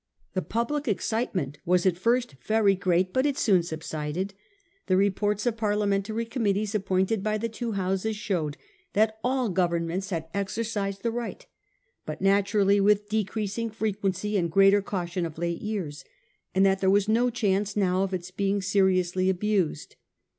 The public excitement was at first very great ; but it soon subsided. The reports of Par liamentary committees appointed by the two Houses showed that all governments had exercised the right, but naturally with decreasing frequency and greater caution of late years ; and that there was no chance now of its being seriously abused.